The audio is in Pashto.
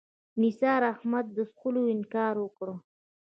نثار احمدي له څښلو انکار وکړ.